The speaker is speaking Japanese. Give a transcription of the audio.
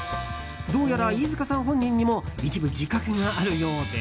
どうやら飯塚さん本人にも一部、自覚があるようで。